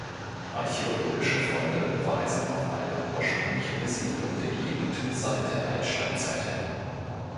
Archäologische Funde weisen auf eine ursprüngliche Besiedlung der Gegend seit der Altsteinzeit hin.